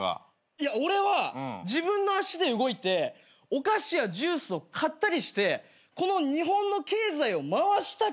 いや俺は自分の足で動いてお菓子やジュースを買ったりしてこの日本の経済を回した結果口が臭くなってる。